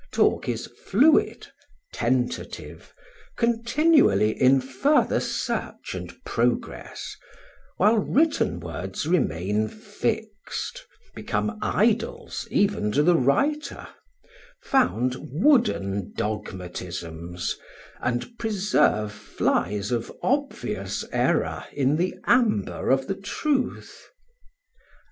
Talk is fluid, tentative, continually "in further search and progress;" while written words remain fixed, become idols even to the writer, found wooden dogmatisms, and preserve flies of obvious error in the amber of the truth.